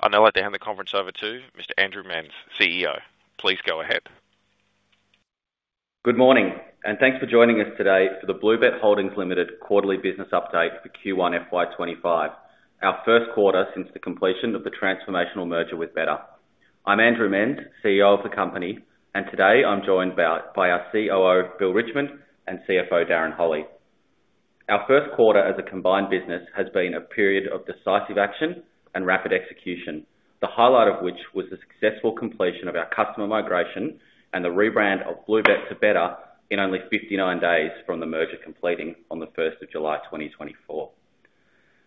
I know I'll be handing the conference over to Mr. Andrew Menz, CEO. Please go ahead. Good morning, and thanks for joining us today for the BlueBet Holdings Limited quarterly business update for Q1 FY25, our first quarter since the completion of the transformational merger with Betr. I'm Andrew Menz, CEO of the company, and today I'm joined by our COO, Bill Richmond, and CFO, Darren Holley. Our first quarter as a combined business has been a period of decisive action and rapid execution, the highlight of which was the successful completion of our customer migration and the rebrand of BlueBet to Betr in only 59 days from the merger completing on the 1st of July 2024.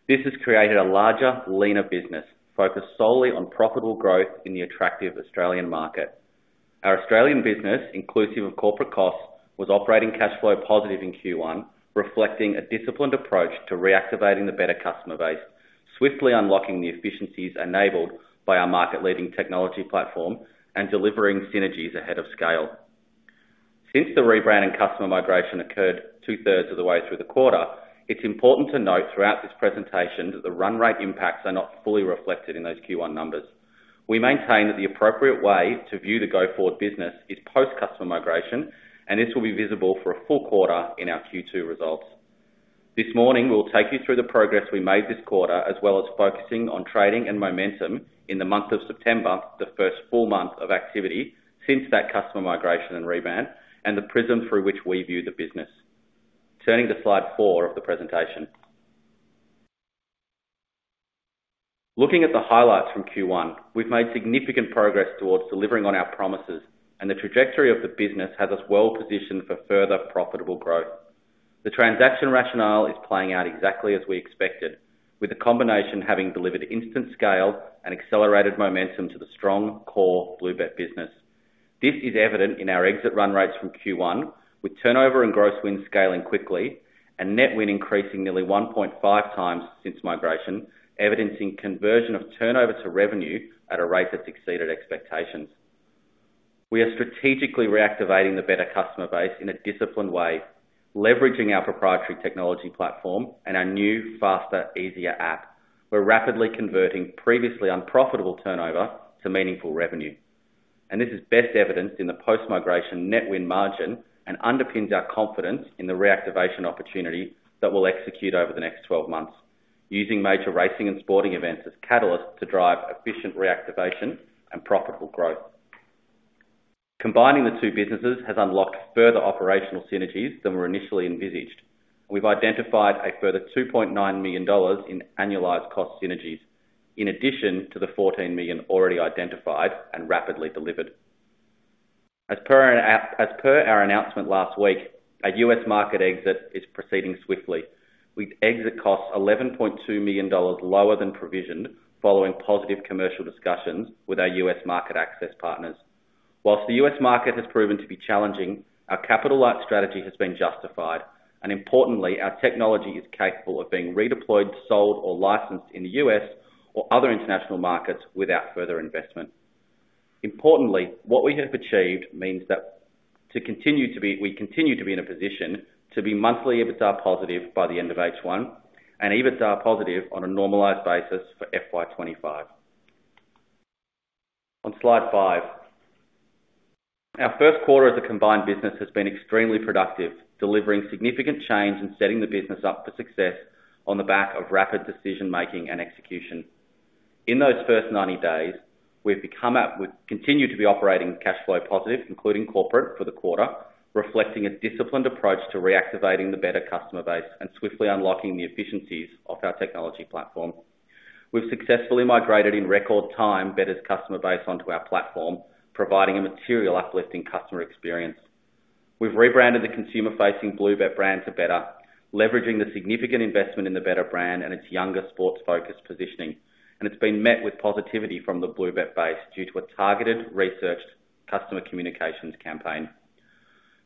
This has created a larger, leaner business focused solely on profitable growth in the attractive Australian market. Our Australian business, inclusive of corporate costs, was operating cash flow positive in Q1, reflecting a disciplined approach to reactivating the Betr customer base, swiftly unlocking the efficiencies enabled by our market-leading technology platform, and delivering synergies ahead of scale. Since the rebrand and customer migration occurred two-thirds of the way through the quarter, it's important to note throughout this presentation that the run rate impacts are not fully reflected in those Q1 numbers. We maintain that the appropriate way to view the go-forward business is post-customer migration, and this will be visible for a full quarter in our Q2 results. This morning, we'll take you through the progress we made this quarter, as well as focusing on trading and momentum in the month of September, the first full month of activity since that customer migration and rebrand, and the prism through which we view the business. Turning to slide four of the presentation. Looking at the highlights from Q1, we've made significant progress towards delivering on our promises, and the trajectory of the business has us well-positioned for further profitable growth. The transaction rationale is playing out exactly as we expected, with the combination having delivered instant scale and accelerated momentum to the strong core BlueBet business. This is evident in our exit run rates from Q1, with turnover and gross wins scaling quickly, and net win increasing nearly 1.5 times since migration, evidencing conversion of turnover to revenue at a rate that's exceeded expectations. We are strategically reactivating the Betr customer base in a disciplined way, leveraging our proprietary technology platform and our new, faster, easier app. We're rapidly converting previously unprofitable turnover to meaningful revenue, and this is best evidenced in the post-migration net win margin and underpins our confidence in the reactivation opportunity that we'll execute over the next 12 months, using major racing and sporting events as catalysts to drive efficient reactivation and profitable growth. Combining the two businesses has unlocked further operational synergies than were initially envisaged, and we've identified a further 2.9 million dollars in annualized cost synergies, in addition to the 14 million already identified and rapidly delivered. As per our announcement last week, our U.S. market exit is proceeding swiftly. We exit costs 11.2 million dollars lower than provisioned, following positive commercial discussions with our U.S. market access partners. While the U.S. market has proven to be challenging, our capital-light strategy has been justified, and importantly, our technology is capable of being redeployed, sold, or licensed in the U.S. or other international markets without further investment. Importantly, what we have achieved means that we continue to be in a position to be monthly EBITDA positive by the end of H1, and EBITDA positive on a normalized basis for FY25. On slide five, our first quarter as a combined business has been extremely productive, delivering significant change and setting the business up for success on the back of rapid decision-making and execution. In those first 90 days, we've continued to be operating cash flow positive, including corporate, for the quarter, reflecting a disciplined approach to reactivating the betr customer base and swiftly unlocking the efficiencies of our technology platform. We've successfully migrated in record time Betr's customer base onto our platform, providing a material uplift in customer experience. We've rebranded the consumer-facing BlueBet brand to Betr, leveraging the significant investment in the Betr brand and its younger sports-focused positioning, and it's been met with positivity from the BlueBet base due to a targeted, researched customer communications campaign.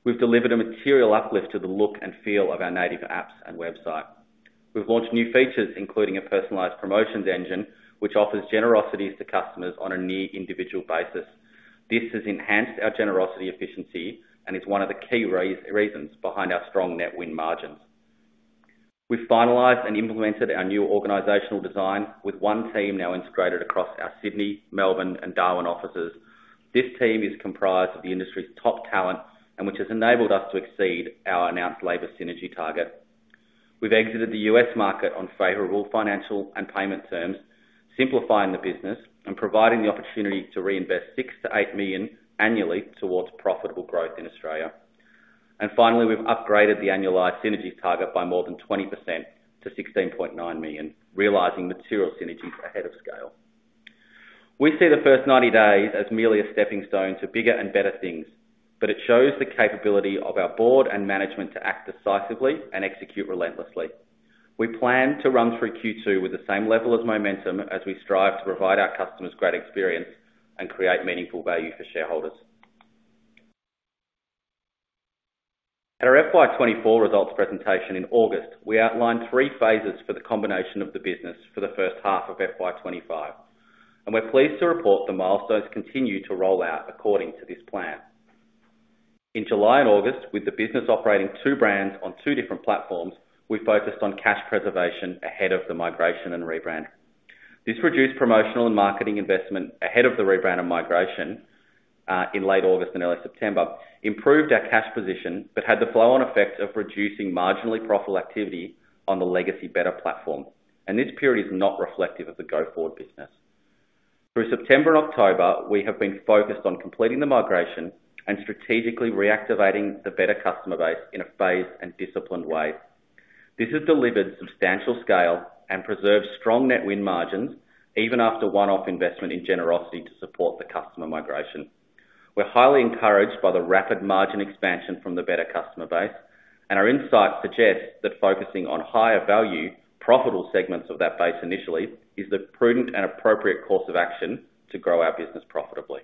We've delivered a material uplift to the look and feel of our native apps and website. We've launched new features, including a personalized promotions engine, which offers generosities to customers on a near-individual basis. This has enhanced our generosity efficiency and is one of the key reasons behind our strong net win margins. We've finalized and implemented our new organizational design, with one team now integrated across our Sydney, Melbourne, and Darwin offices. This team is comprised of the industry's top talent, which has enabled us to exceed our announced labor synergy target. We've exited the U.S. market on favorable financial and payment terms, simplifying the business and providing the opportunity to reinvest AUD 6-$8 million annually towards profitable growth in Australia. And finally, we've upgraded the annualized synergy target by more than 20% to 16.9 million, realizing material synergies ahead of scale. We see the first 90 days as merely a stepping stone to bigger and Betr things, but it shows the capability of our board and management to act decisively and execute relentlessly. We plan to run through Q2 with the same level of momentum as we strive to provide our customers great experience and create meaningful value for shareholders. At our FY24 results presentation in August, we outlined three phases for the combination of the business for the first half of FY25, and we're pleased to report the milestones continue to roll out according to this plan. In July and August, with the business operating two brands on two different platforms, we focused on cash preservation ahead of the migration and rebrand. This reduced promotional and marketing investment ahead of the rebrand and migration in late August and early September, improved our cash position, but had the flow-on effect of reducing marginally profitable activity on the legacy Betr platform, and this period is not reflective of the go-forward business. Through September and October, we have been focused on completing the migration and strategically reactivating the Betr customer base in a phased and disciplined way. This has delivered substantial scale and preserved strong net win margins even after one-off investment in generosity to support the customer migration. We're highly encouraged by the rapid margin expansion from the Betr customer base, and our insights suggest that focusing on higher value, profitable segments of that base initially is the prudent and appropriate course of action to grow our business profitably.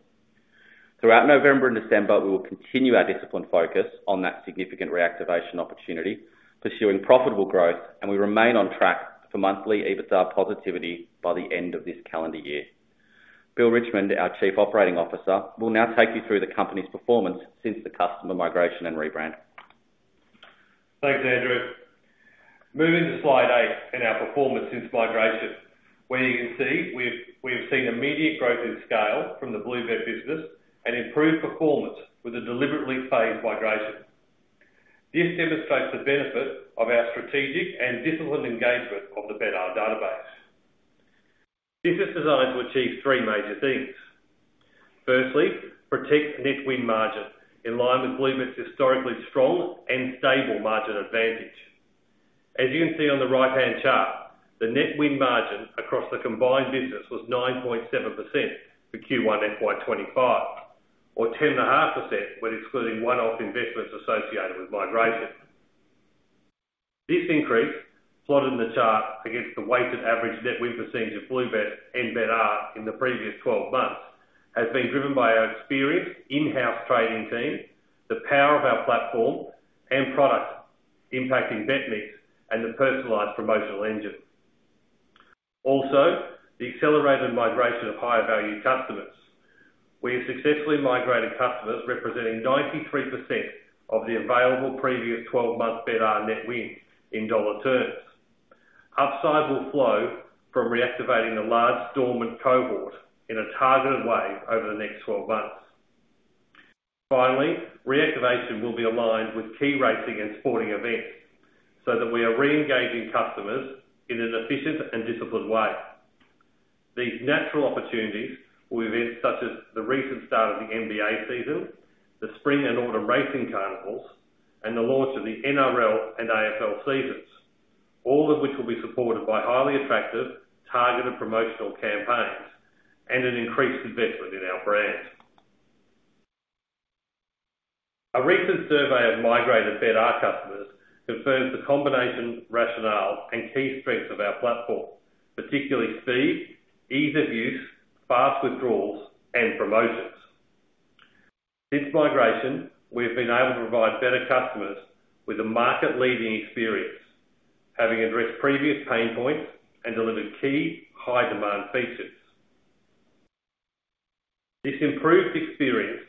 Throughout November and December, we will continue our disciplined focus on that significant reactivation opportunity, pursuing profitable growth, and we remain on track for monthly EBITDA positivity by the end of this calendar year. Bill Richmond, our Chief Operating Officer, will now take you through the company's performance since the customer migration and rebrand. Thanks, Andrew. Moving to slide eight in our performance since migration, where you can see we've seen immediate growth in scale from the BlueBet business and improved performance with a deliberately phased migration. This demonstrates the benefit of our strategic and disciplined engagement of the Betr database. This is designed to achieve three major things. Firstly, protect net win margin in line with BlueBet's historically strong and stable margin advantage. As you can see on the right-hand chart, the net win margin across the combined business was 9.7% for Q1 FY25, or 10.5% when excluding one-off investments associated with migration. This increase, plotted in the chart against the weighted average net win percentage of BlueBet and Betr in the previous 12 months, has been driven by our experienced in-house trading team, the power of our platform, and product impacting bet mix and the Personalized Promotions Engine. Also, the accelerated migration of higher value customers. We have successfully migrated customers representing 93% of the available previous 12-month Betr net win in dollar terms. Upside will flow from reactivating the large dormant cohort in a targeted way over the next 12 months. Finally, reactivation will be aligned with key racing and sporting events so that we are re-engaging customers in an efficient and disciplined way. These natural opportunities will be events such as the recent start of the NBA season, the spring and autumn racing carnivals, and the launch of the NRL and AFL seasons, all of which will be supported by highly attractive targeted promotional campaigns and an increased investment in our brand. A recent survey of migrated Betr customers confirms the combination rationale and key strengths of our platform, particularly speed, ease of use, fast withdrawals, and promotions. Since migration, we have been able to provide Betr customers with a market-leading experience, having addressed previous pain points and delivered key high-demand features. This improved experience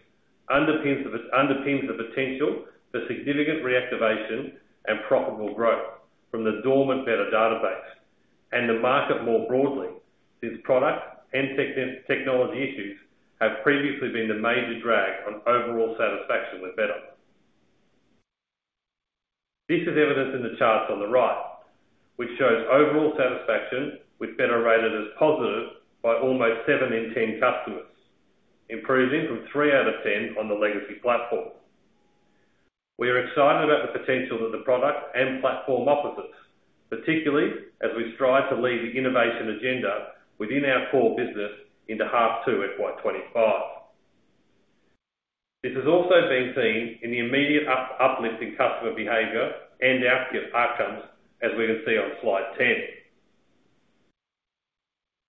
underpins the potential for significant reactivation and profitable growth from the dormant Betr database and the market more broadly since product and technology issues have previously been the major drag on overall satisfaction with Betr. This is evidenced in the charts on the right, which shows overall satisfaction with Betr rated as positive by almost seven in 10 customers, improving from three out of 10 on the legacy platform. We are excited about the potential that the product and platform offers us, particularly as we strive to lead the innovation agenda within our core business into half two FY25. This has also been seen in the immediate uplift in customer behavior and outcomes, as we can see on slide 10.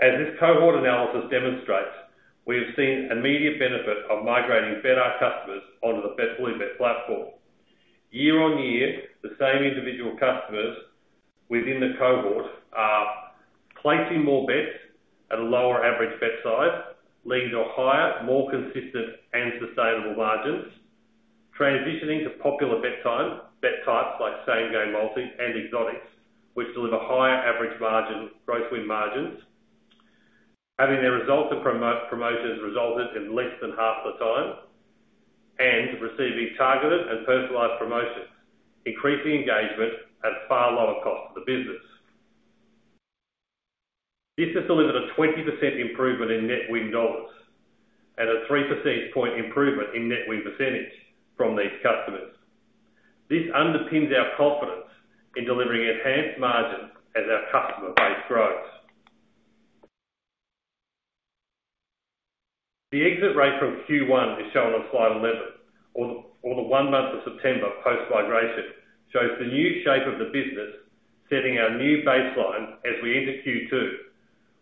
As this cohort analysis demonstrates, we have seen immediate benefit of migrating Betr customers onto the BlueBet platform. Year on year, the same individual customers within the cohort are placing more bets at a lower average bet size, leading to higher, more consistent, and sustainable margins, transitioning to popular bet types like same-game multi and exotics, which deliver higher average gross win margins, having their resultant promotions resulted in less than half the time, and receiving targeted and personalized promotions, increasing engagement at a far lower cost to the business. This has delivered a 20% improvement in net win dollars and a 3% improvement in net win percentage from these customers. This underpins our confidence in delivering enhanced margins as our customer base grows. The exit rate from Q1 is shown on slide 11, or the one month of September post-migration, shows the new shape of the business, setting our new baseline as we enter Q2,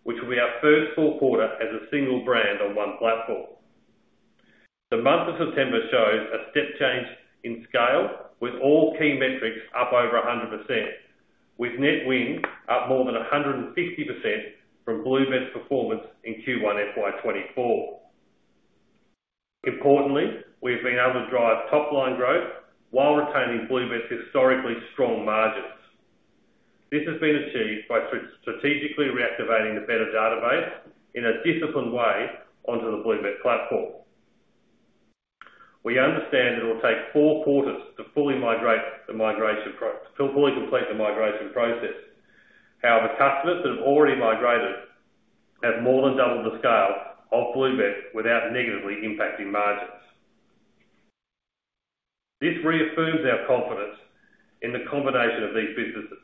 which will be our first full quarter as a single brand on one platform. The month of September shows a step change in scale with all key metrics up over 100%, with net win up more than 150% from BlueBet's performance in Q1 FY24. Importantly, we have been able to drive top-line growth while retaining BlueBet's historically strong margins. This has been achieved by strategically reactivating the Betr database in a disciplined way onto the BlueBet platform. We understand it will take four quarters to fully complete the migration process. However, customers that have already migrated have more than doubled the scale of BlueBet without negatively impacting margins. This reaffirms our confidence in the combination of these businesses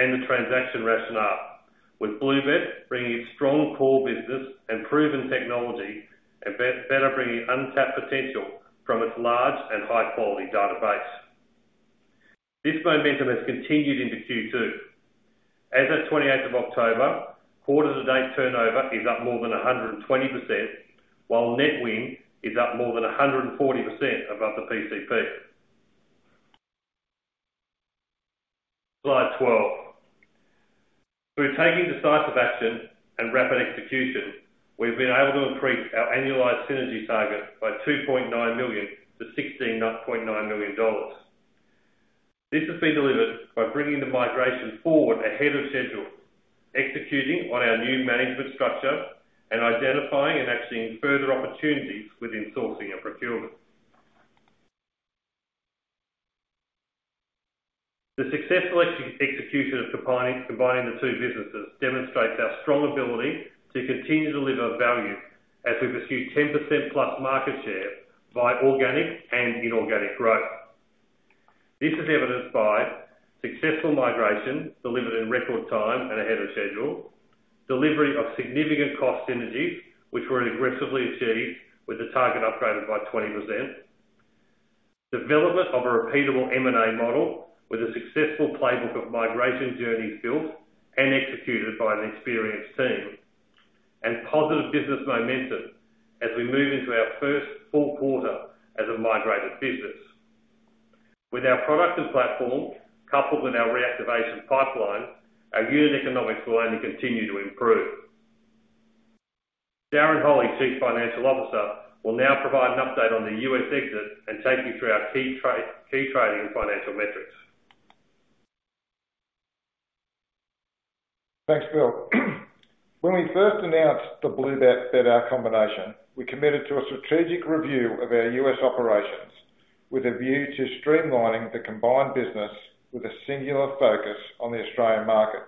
and the transaction rationale, with BlueBet bringing its strong core business and proven technology and Betr bringing untapped potential from its large and high-quality database. This momentum has continued into Q2. As of 28 October, quarter-to-date turnover is up more than 120%, while net win is up more than 140% above the PCP. Slide 12. Through taking decisive action and rapid execution, we've been able to increase our annualized synergy target by 2.9 million to 16.9 million dollars. This has been delivered by bringing the migration forward ahead of schedule, executing on our new management structure, and identifying and actually further opportunities within sourcing and procurement. The successful execution of combining the two businesses demonstrates our strong ability to continue to deliver value as we pursue 10% plus market share by organic and inorganic growth. This is evidenced by successful migration delivered in record time and ahead of schedule, delivery of significant cost synergies, which were aggressively achieved with the target upgraded by 20%, development of a repeatable M&A model with a successful playbook of migration journeys built and executed by an experienced team, and positive business momentum as we move into our first full quarter as a migrated business. With our product and platform coupled with our reactivation pipeline, our unit economics will only continue to improve. Darren Holley, Chief Financial Officer, will now provide an update on the U.S. exit and take you through our key trading and financial metrics. Thanks, Bill. When we first announced the BlueBet-betr combination, we committed to a strategic review of our U.S. operations with a view to streamlining the combined business with a singular focus on the Australian market.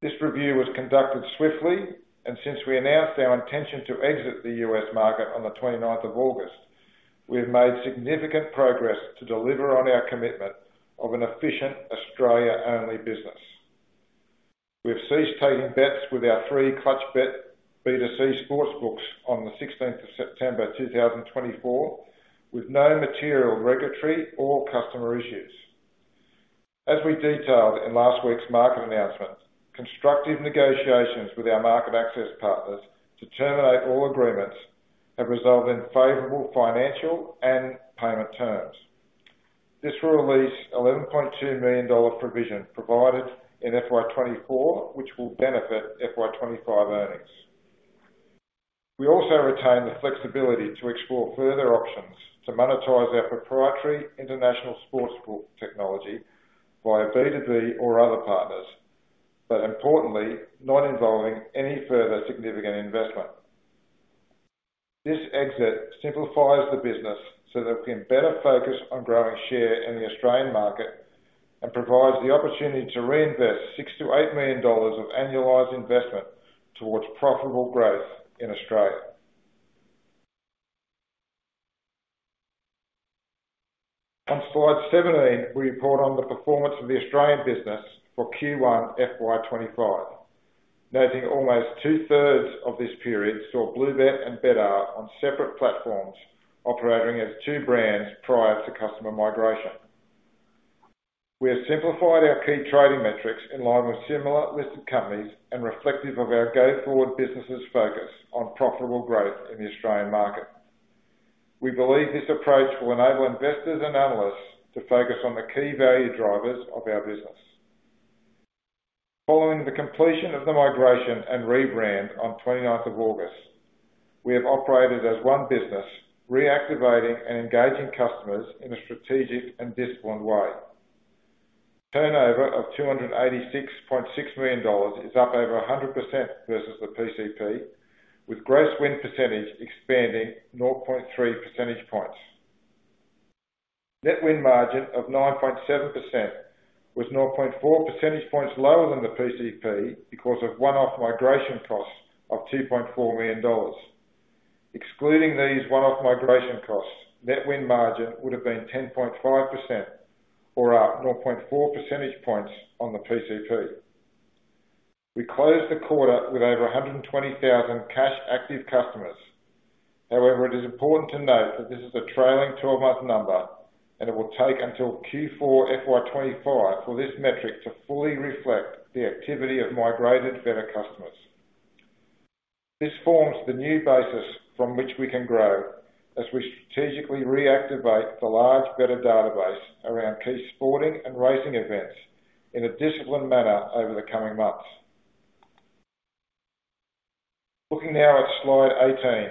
This review was conducted swiftly, and since we announced our intention to exit the U.S. market on the 29th of August, we have made significant progress to deliver on our commitment of an efficient Australia-only business. We have ceased taking bets with our free ClutchBet B2C sportsbooks on the 16th of September 2024, with no material regulatory or customer issues. As we detailed in last week's market announcement, constructive negotiations with our market access partners to terminate all agreements have resulted in favorable financial and payment terms. This will release AUD 11.2 million provision provided in FY24, which will benefit FY25 earnings. We also retain the flexibility to explore further options to monetize our proprietary international sports book technology via B2B or other partners, but importantly, not involving any further significant investment. This exit simplifies the business so that we can Betr focus on growing share in the Australian market and provides the opportunity to reinvest 6 million-8 million dollars of annualized investment towards profitable growth in Australia. On slide 17, we report on the performance of the Australian business for Q1 FY25, noting almost two-thirds of this period saw BlueBet and betr on separate platforms operating as two brands prior to customer migration. We have simplified our key trading metrics in line with similar listed companies and reflective of our go-forward business's focus on profitable growth in the Australian market. We believe this approach will enable investors and analysts to focus on the key value drivers of our business. Following the completion of the migration and rebrand on 29 August, we have operated as one business, reactivating and engaging customers in a strategic and disciplined way. Turnover of 286.6 million dollars is up over 100% versus the PCP, with gross win percentage expanding 0.3 percentage points. Net win margin of 9.7% was 0.4 percentage points lower than the PCP because of one-off migration costs of 2.4 million dollars. Excluding these one-off migration costs, net win margin would have been 10.5% or up 0.4 percentage points on the PCP. We closed the quarter with over 120,000 cash active customers. However, it is important to note that this is a trailing 12-month number, and it will take until Q4 FY25 for this metric to fully reflect the activity of migrated Betr customers. This forms the new basis from which we can grow as we strategically reactivate the large Betr database around key sporting and racing events in a disciplined manner over the coming months. Looking now at slide 18,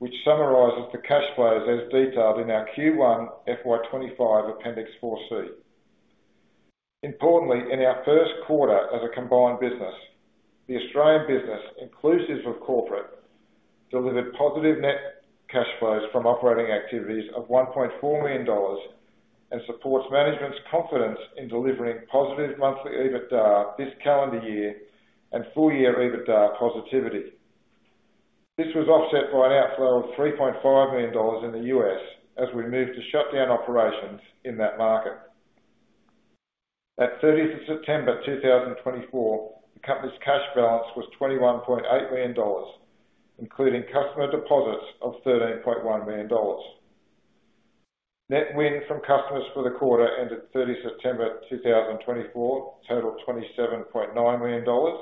which summarizes the cash flows as detailed in our Q1 FY25 Appendix 4C. Importantly, in our first quarter as a combined business, the Australian business, inclusive of corporate, delivered positive net cash flows from operating activities of 1.4 million dollars and supports management's confidence in delivering positive monthly EBITDA this calendar year and full-year EBITDA positivity. This was offset by an outflow of 3.5 million dollars in the U.S. as we moved to shut down operations in that market. At 30 September 2024, the company's cash balance was 21.8 million dollars, including customer deposits of 13.1 million dollars. Net win from customers for the quarter ended 30 September 2024, totaled 27.9 million dollars.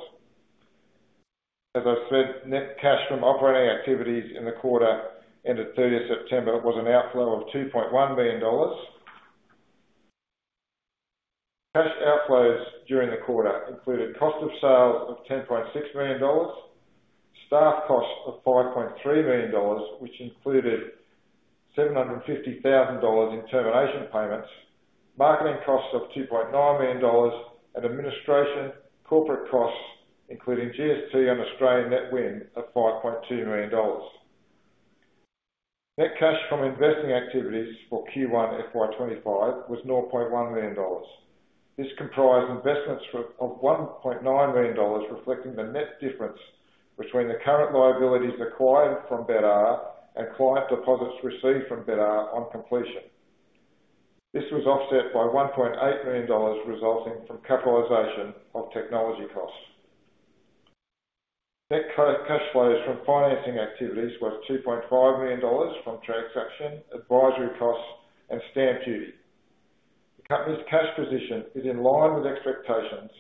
As I said, net cash from operating activities in the quarter ended 30 September was an outflow of 2.1 million dollars. Cash outflows during the quarter included cost of sales of 10.6 million dollars, staff cost of 5.3 million dollars, which included 750,000 dollars in termination payments, marketing costs of 2.9 million dollars, and administration corporate costs, including GST on Australian net win of 5.2 million dollars. Net cash from investing activities for Q1 FY25 was 0.1 million dollars. This comprised investments of 1.9 million dollars, reflecting the net difference between the current liabilities acquired from Betr and client deposits received from Betr on completion. This was offset by 1.8 million dollars resulting from capitalization of technology costs. Net cash flows from financing activities were 2.5 million dollars from transaction, advisory costs, and stamp duty. The company's cash position is in line with expectations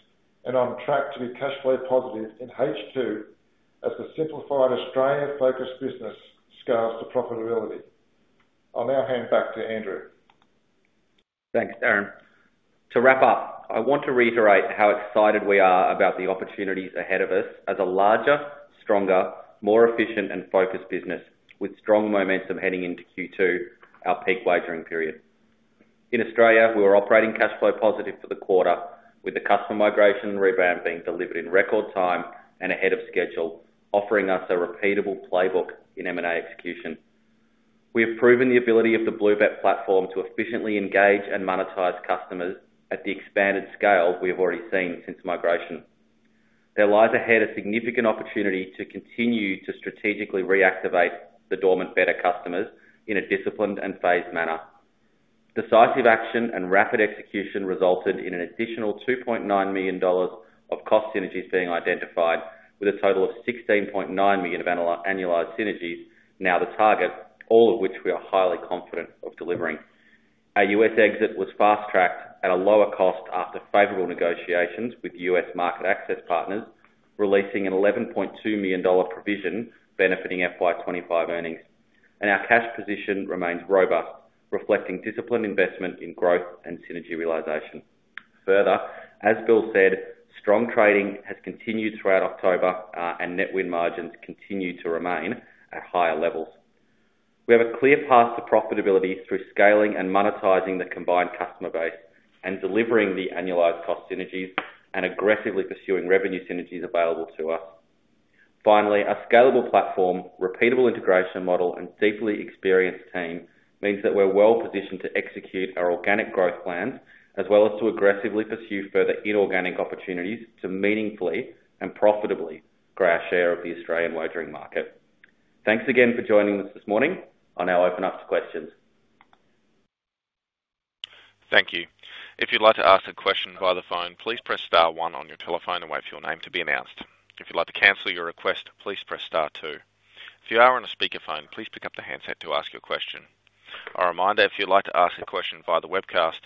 and on track to be cash flow positive in H2 as the simplified Australia-focused business scales to profitability. I'll now hand back to Andrew. Thanks, Darren. To wrap up, I want to reiterate how excited we are about the opportunities ahead of us as a larger, stronger, more efficient, and focused business with strong momentum heading into Q2, our peak wagering period. In Australia, we were operating cash flow positive for the quarter, with the customer migration rebrand being delivered in record time and ahead of schedule, offering us a repeatable playbook in M&A execution. We have proven the ability of the BlueBet platform to efficiently engage and monetize customers at the expanded scale we have already seen since migration. There lies ahead a significant opportunity to continue to strategically reactivate the dormant Betr customers in a disciplined and phased manner. Decisive action and rapid execution resulted in an additional 2.9 million dollars of cost synergies being identified, with a total of 16.9 million of annualized synergies now the target, all of which we are highly confident of delivering. Our U.S. exit was fast-tracked at a lower cost after favorable negotiations with U.S. market access partners, releasing an 11.2 million dollar provision benefiting FY25 earnings. Our cash position remains robust, reflecting disciplined investment in growth and synergy realization. Further, as Bill said, strong trading has continued throughout October and net win margins continue to remain at higher levels. We have a clear path to profitability through scaling and monetizing the combined customer base and delivering the annualized cost synergies and aggressively pursuing revenue synergies available to us. Finally, our scalable platform, repeatable integration model, and deeply experienced team means that we're well positioned to execute our organic growth plans as well as to aggressively pursue further inorganic opportunities to meaningfully and profitably grow our share of the Australian wagering market. Thanks again for joining us this morning. I'll now open up to questions. Thank you. If you'd like to ask a question via the phone, please press Star 1 on your telephone and wait for your name to be announced. If you'd like to cancel your request, please press Star 2. If you are on a speakerphone, please pick up the handset to ask your question. A reminder, if you'd like to ask a question via the webcast,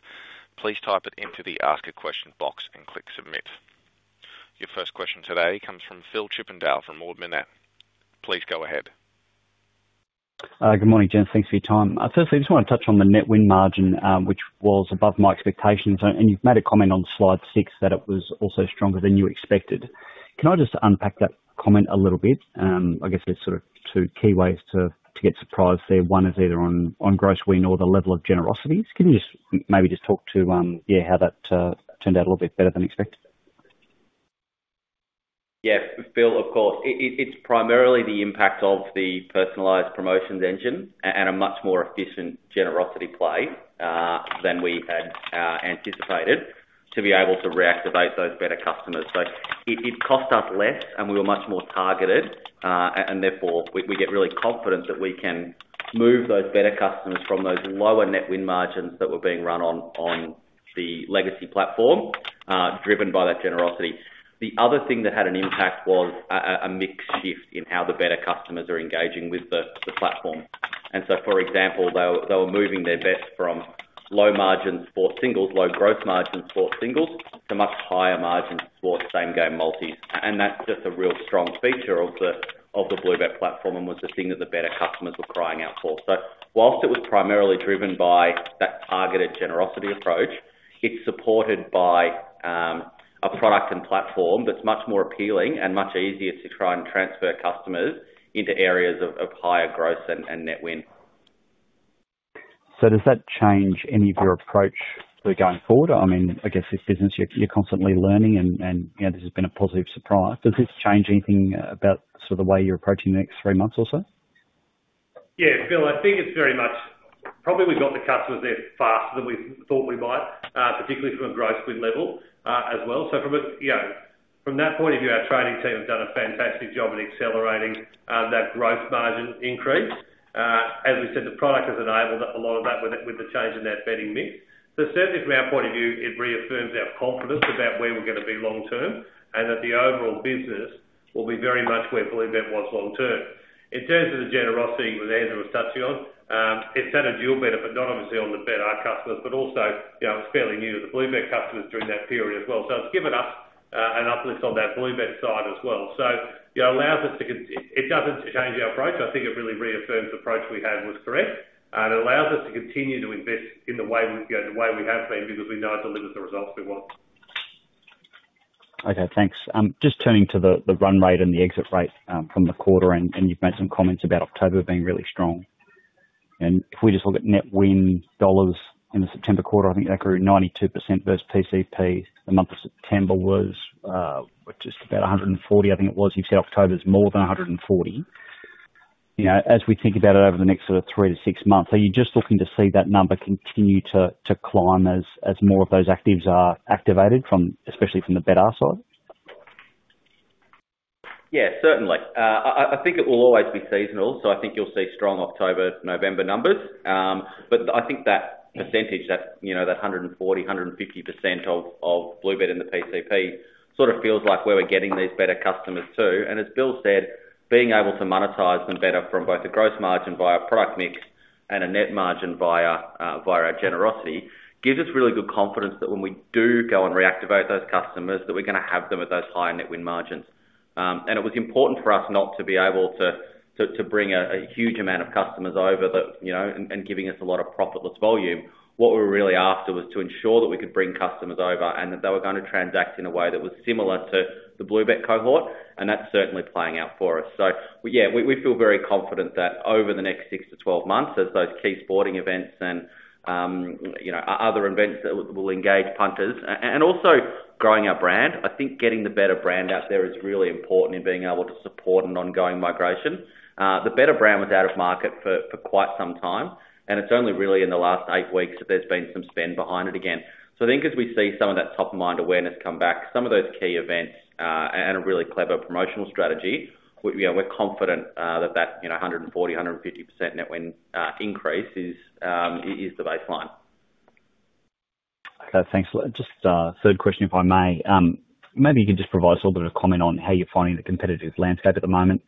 please type it into the Ask a Question box and click Submit. Your first question today comes from Phil Chippendale from Ord Minnett. Please go ahead. Good morning, Gents. Thanks for your time. Firstly, I just want to touch on the net win margin, which was above my expectations. And you've made a comment on slide six that it was also stronger than you expected. Can I just unpack that comment a little bit? I guess there's sort of two key ways to get surprised there. One is either on gross win or the level of generosity. Can you just maybe just talk to how that turned out a little bit Betr than expected? Yeah. Phil, of course. It's primarily the impact of the Personalized Promotions Engine and a much more efficient generosity play than we had anticipated to be able to reactivate those Betr customers. So it cost us less, and we were much more targeted. And therefore, we get really confident that we can move those Betr customers from those lower net win margins that were being run on the legacy platform, driven by that generosity. The other thing that had an impact was a mixed shift in how the Betr customers are engaging with the platform. And so, for example, they were moving their bets from low margin sports singles, low gross margin sports singles, to much higher margin sports Same Game Multi. And that's just a real strong feature of the BlueBet platform and was the thing that the Betr customers were crying out for. So while it was primarily driven by that targeted generosity approach, it's supported by a product and platform that's much more appealing and much easier to try and transfer customers into areas of higher gross and net win. So does that change any of your approach for going forward? I mean, I guess this business, you're constantly learning, and this has been a positive surprise. Does this change anything about sort of the way you're approaching the next three months or so? Yeah. Phil, I think it's very much probably we've got the customers there faster than we thought we might, particularly from a gross win level as well. So from that point of view, our trading team have done a fantastic job in accelerating that gross margin increase. As we said, the product has enabled a lot of that with the change in their betting mix. So certainly, from our point of view, it reaffirms our confidence about where we're going to be long-term and that the overall business will be very much where BlueBet was long-term. In terms of the generosity that Andrew was touching on, it's had a dual benefit, not obviously on the betr customers, but also it was fairly new to the BlueBet customers during that period as well. So it's given us an uplift on that BlueBet side as well. So it doesn't change our approach. I think it really reaffirms the approach we had was correct. It allows us to continue to invest in the way we have been because we know it delivers the results we want. Okay. Thanks. Just turning to the run rate and the exit rate from the quarter, and you've made some comments about October being really strong. And if we just look at net win dollars in the September quarter, I think that grew 92% versus PCP. The month of September was just about 140, I think it was. You've said October's more than 140. As we think about it over the next sort of three-to-six months, are you just looking to see that number continue to climb as more of those actives are activated, especially from the Betr side? Yeah, certainly. I think it will always be seasonal. So I think you'll see strong October-November numbers. But I think that percentage, that 140%-150% of BlueBet and the PCP sort of feels like where we're getting these Betr customers too. And as Bill said, being able to monetize them Betr from both a gross margin via product mix and a net margin via our generosity gives us really good confidence that when we do go and reactivate those customers, that we're going to have them at those higher net win margins. And it was important for us not to be able to bring a huge amount of customers over and giving us a lot of profitless volume. What we were really after was to ensure that we could bring customers over and that they were going to transact in a way that was similar to the BlueBet cohort. That's certainly playing out for us. So yeah, we feel very confident that over the next six to 12 months, as those key sporting events and other events that will engage punters and also growing our brand, I think getting the Betr brand out there is really important in being able to support an ongoing migration. The Betr brand was out of market for quite some time, and it's only really in the last eight weeks that there's been some spend behind it again. So I think as we see some of that top-of-mind awareness come back, some of those key events and a really clever promotional strategy, we're confident that that 140%-150% net win increase is the baseline. Okay. Thanks. Just third question, if I may. Maybe you can just provide us a little bit of a comment on how you're finding the competitive landscape at the moment.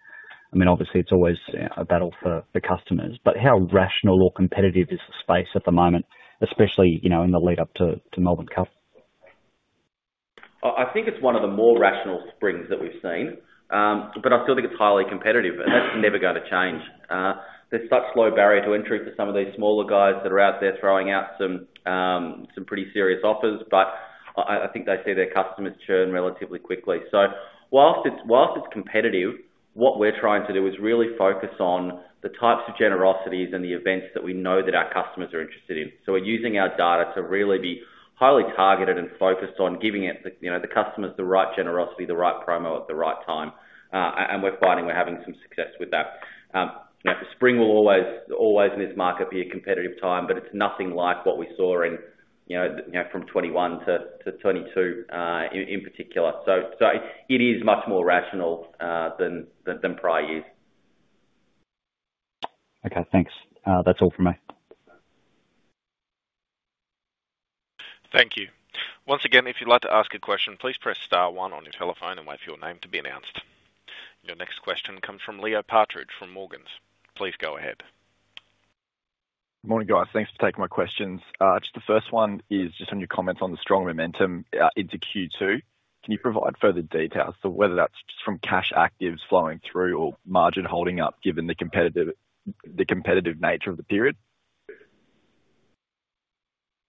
I mean, obviously, it's always a battle for customers. But how rational or competitive is the space at the moment, especially in the lead-up to Melbourne Cup? I think it's one of the more rational springs that we've seen. But I still think it's highly competitive, and that's never going to change. There's such low barrier to entry for some of these smaller guys that are out there throwing out some pretty serious offers, but I think they see their customers churn relatively quickly. So whilst it's competitive, what we're trying to do is really focus on the types of generosities and the events that we know that our customers are interested in. So we're using our data to really be highly targeted and focused on giving the customers the right generosity, the right promo at the right time. And we're finding we're having some success with that. Now, spring will always in this market be a competitive time, but it's nothing like what we saw from 2021 to 2022 in particular. It is much more rational than prior years. Okay. Thanks. That's all from me. Thank you. Once again, if you'd like to ask a question, please press Star 1 on your telephone and wait for your name to be announced. Your next question comes from Leo Partridge from Morgans. Please go ahead. Good morning, guys. Thanks for taking my questions. Just the first one is just on your comments on the strong momentum into Q2. Can you provide further details to whether that's just from cash actives flowing through or margin holding up given the competitive nature of the period?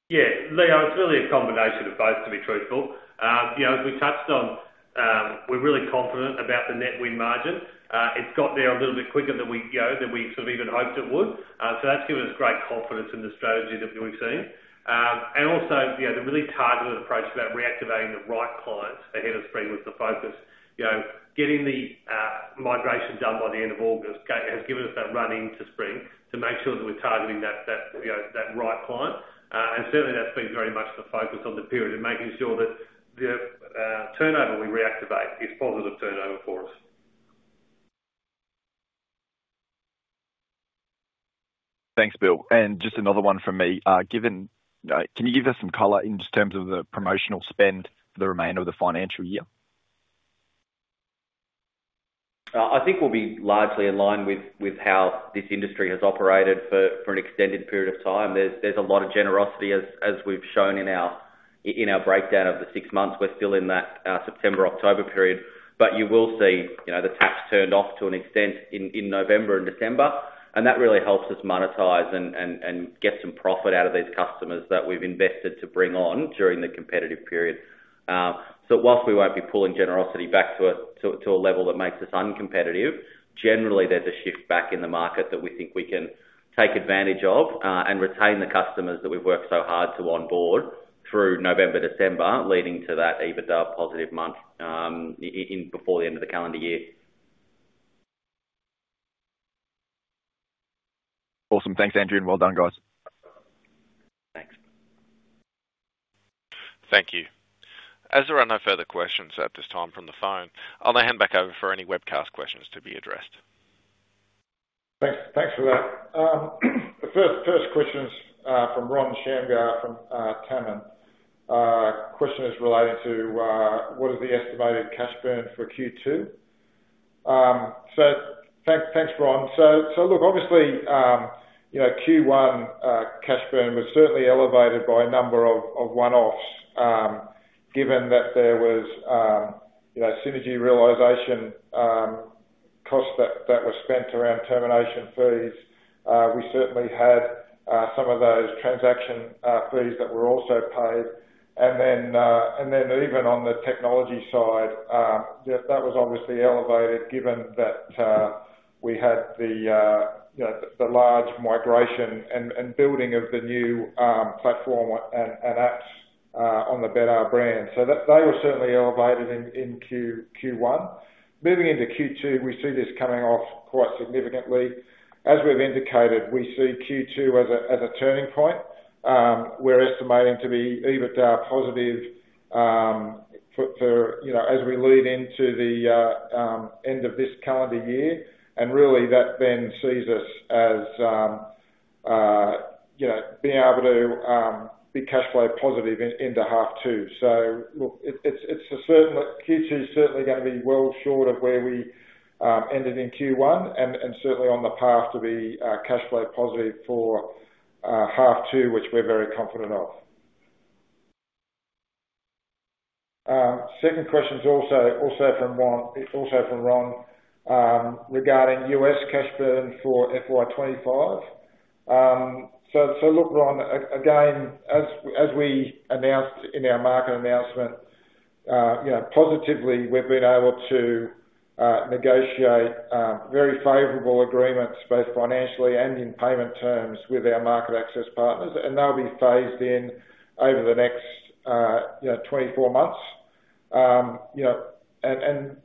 Yeah. Leo, it's really a combination of both, to be truthful. As we touched on, we're really confident about the net win margin. It's got there a little bit quicker than we sort of even hoped it would. So that's given us great confidence in the strategy that we've seen. And also, the really targeted approach about reactivating the right clients ahead of spring was the focus. Getting the migration done by the end of August has given us that run into spring to make sure that we're targeting that right client. And certainly, that's been very much the focus of the period and making sure that the turnover we reactivate is positive turnover for us. Thanks, Bill, and just another one from me. Can you give us some color in terms of the promotional spend for the remainder of the financial year? I think we'll be largely in line with how this industry has operated for an extended period of time. There's a lot of generosity as we've shown in our breakdown of the six months. We're still in that September-October period. But you will see the taps turned off to an extent in November and December. And that really helps us monetize and get some profit out of these customers that we've invested to bring on during the competitive period. So while we won't be pulling generosity back to a level that makes us uncompetitive, generally, there's a shift back in the market that we think we can take advantage of and retain the customers that we've worked so hard to onboard through November, December, leading to that EBITDA positive month before the end of the calendar year. Awesome. Thanks, Andrew, and well done, guys. Thanks. Thank you. As there are no further questions at this time from the phone, I'll now hand back over for any webcast questions to be addressed. Thanks for that. First question is from Ron Shamgar from Tamim. The question is relating to what is the estimated cash burn for Q2? So thanks, Ron. So look, obviously, Q1 cash burn was certainly elevated by a number of one-offs given that there was synergy realization costs that were spent around termination fees. We certainly had some of those transaction fees that were also paid. And then even on the technology side, that was obviously elevated given that we had the large migration and building of the new platform and apps on the Betr brand. So they were certainly elevated in Q1. Moving into Q2, we see this coming off quite significantly. As we've indicated, we see Q2 as a turning point. We're estimating to be EBITDA positive as we lead into the end of this calendar year. Really, that then sees us as being able to be cash flow positive into half two. So look, Q2 is certainly going to be well short of where we ended in Q1 and certainly on the path to be cash flow positive for half two, which we're very confident of. Second question is also from Ron, regarding U.S. cash burn for FY25. So look, Ron, again, as we announced in our market announcement, positively, we've been able to negotiate very favorable agreements both financially and in payment terms with our market access partners. And they'll be phased in over the next 24 months. And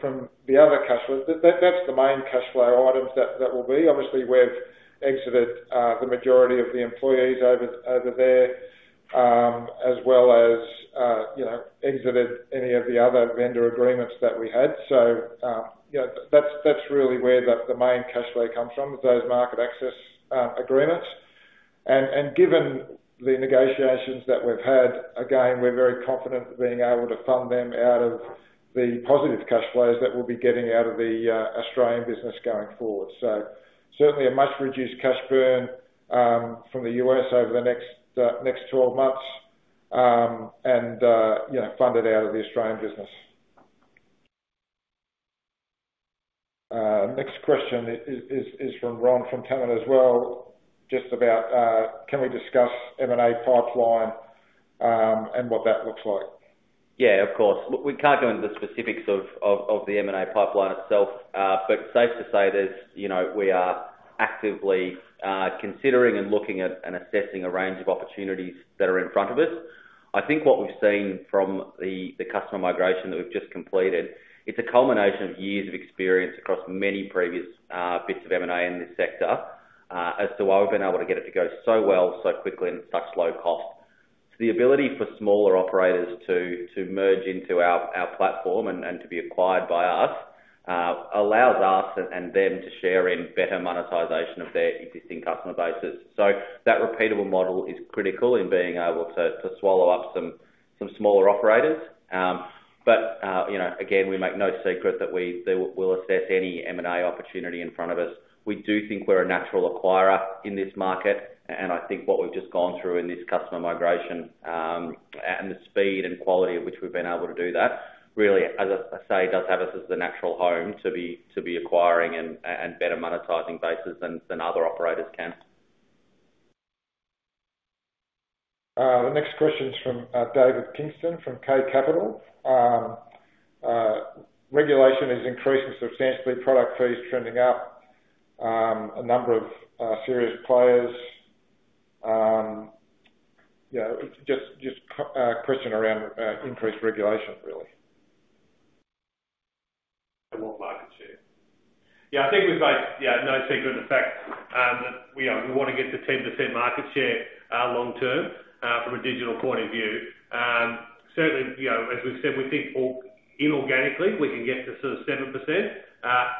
from the other cash flow, that's the main cash flow items that will be. Obviously, we've exited the majority of the employees over there as well as exited any of the other vendor agreements that we had. So that's really where the main cash flow comes from, is those market access agreements. And given the negotiations that we've had, again, we're very confident being able to fund them out of the positive cash flows that we'll be getting out of the Australian business going forward. So certainly a much reduced cash burn from the US over the next 12 months and funded out of the Australian business. Next question is from Ron from Tamim as well, just about can we discuss M&A pipeline and what that looks like? Yeah, of course. Look, we can't go into the specifics of the M&A pipeline itself, but safe to say we are actively considering and looking at and assessing a range of opportunities that are in front of us. I think what we've seen from the customer migration that we've just completed. It's a culmination of years of experience across many previous bits of M&A in this sector as to why we've been able to get it to go so well so quickly and at such low cost. So the ability for smaller operators to merge into our platform and to be acquired by us allows us and them to share in Betr monetization of their existing customer bases. So that repeatable model is critical in being able to swallow up some smaller operators. But again, we make no secret that we will assess any M&A opportunity in front of us. We do think we're a natural acquirer in this market, and I think what we've just gone through in this customer migration and the speed and quality of which we've been able to do that really, as I say, does have us as the natural home to be acquiring and Betr monetizing bases than other operators can. The next question is from David Kingston from Key Capital. Regulation is increasing substantially. Product fees trending up. A number of serious players. Just a question around increased regulation, really. And what market share? Yeah, I think we've both, yeah, no secret of the fact that we want to get to 10% market share long term from a digital point of view. Certainly, as we've said, we think inorganically we can get to sort of 7%,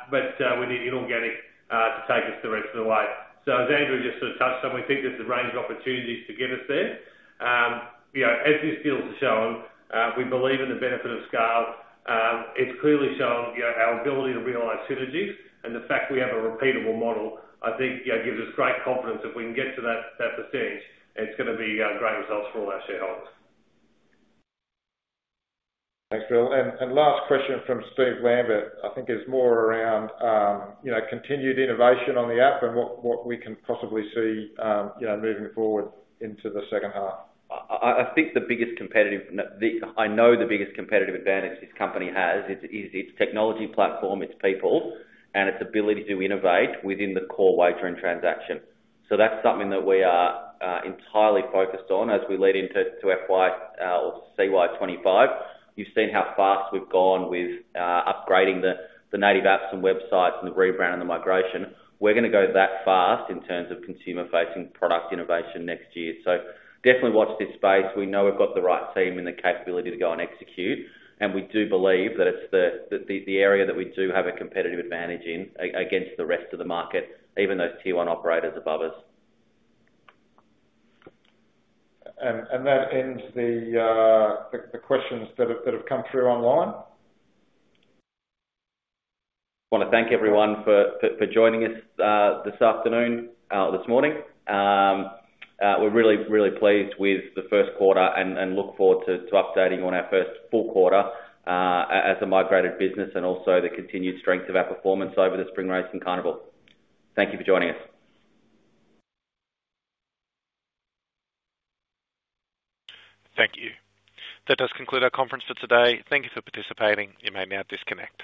but we need inorganic to take us the rest of the way. So as Andrew just sort of touched on, we think there's a range of opportunities to get us there. As these deals are shown, we believe in the benefit of scale. It's clearly shown our ability to realize synergies. And the fact we have a repeatable model, I think, gives us great confidence. If we can get to that percentage, it's going to be great results for all our shareholders. Thanks, Bill, and last question from Steve Lambert, I think is more around continued innovation on the app and what we can possibly see moving forward into the second half. I think the biggest competitive advantage this company has is its technology platform, its people, and its ability to innovate within the core wagering transaction. So that's something that we are entirely focused on as we lead into FY or CY25. You've seen how fast we've gone with upgrading the native apps and websites and the rebrand and the migration. We're going to go that fast in terms of consumer-facing product innovation next year. So definitely watch this space. We know we've got the right team and the capability to go and execute. And we do believe that it's the area that we do have a competitive advantage in against the rest of the market, even those tier one operators above us. That ends the questions that have come through online. Want to thank everyone for joining us this afternoon or this morning. We're really, really pleased with the first quarter and look forward to updating on our first full quarter as a migrated business and also the continued strength of our performance over the spring race and carnival. Thank you for joining us. Thank you. That does conclude our conference for today. Thank you for participating. You may now disconnect.